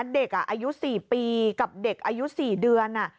เด็กอายุ๔ปีกับเด็กอายุ๔เดือน